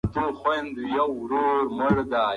دا مرکب د سلفر له کورنۍ دی.